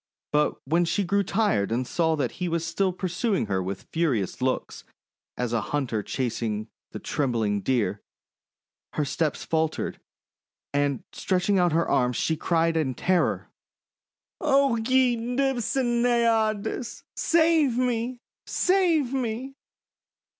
But when she grew tired and saw that he was still pursuing her with furious looks, as a hunter chases the trembling Deer, her steps faltered, and stretching out her arms, she cried in terror: — !<O ye Nymphs and Naiads, save me! Save me!"